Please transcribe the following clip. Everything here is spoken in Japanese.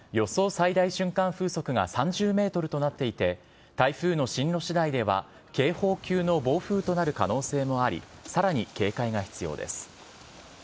最大瞬間風速が３０メートルとなっていて、台風の進路しだいでは警報級の暴風となる可能性もあり、さらに警戒が必要です。